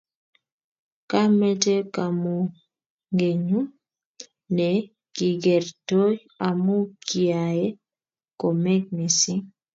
kamete kamugenyu ne kikertoi amu kiaee komek mising